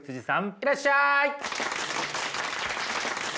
いらっしゃい。